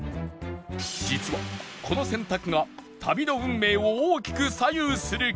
実はこの選択が旅の運命を大きく左右する事に